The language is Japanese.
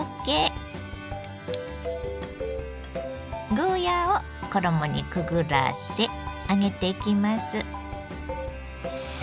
ゴーヤーを衣にくぐらせ揚げていきます。